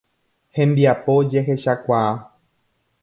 Hembiapo jehechechakuaa.